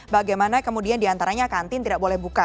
bagaimana kemudian diantaranya kantin tidak boleh buka